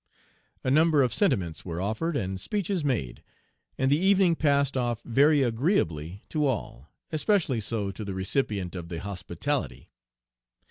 A number of sentiments were offered and speeches made, and the evening passed off very agreeably to all, especially so to the recipient of the hospitality.